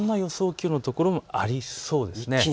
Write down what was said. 気温の所もありそうです。